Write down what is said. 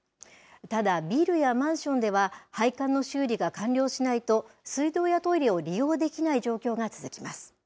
ただ、ビルやマンションでは、配管の修理が完了しないと、水道やトイレを利用できない状況が続きます。